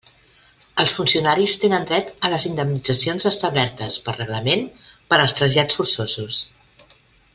Els funcionaris tenen dret a les indemnitzacions establertes per reglament per als trasllats forçosos.